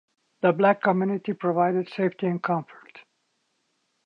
The Black community provided safety and comfort.